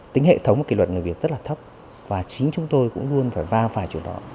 tính hệ thống và kỳ luật người việt rất là thấp và chính chúng tôi cũng luôn phải va phải chỗ đó